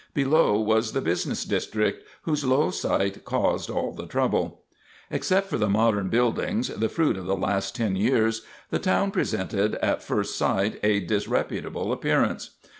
Below was the business district, whose low site caused all the trouble. Except for the modern buildings, the fruit of the last ten years, the town presented at first sight a disreputable appearance.